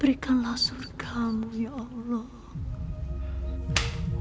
berikanlah surga mu ya allah